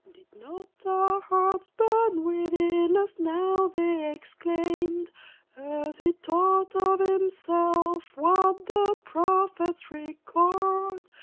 "Did not our hearts burn within us," now they exclaimed, "As he taught of himself what the prophets record?